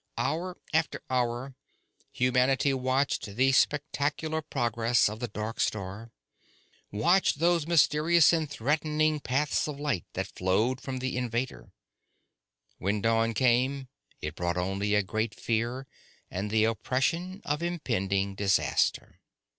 Hour after hour humanity watched the spectacular progress of the dark star, watched those mysterious and threatening paths of light that flowed from the invader. When dawn came, it brought only a great fear and the oppression of impending disaster.